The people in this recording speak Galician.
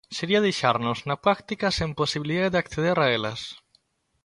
Sería deixarnos na práctica sen posibilidade de acceder a elas.